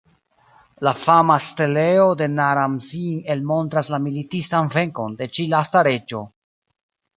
La fama steleo de Naram-Sin elmontras la militistan venkon de ĉi lasta reĝo.